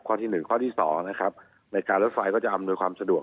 ข้อที่หนึ่งข้อที่สองนะครับในการเลือกไฟก็จะอำนวยความสะดวก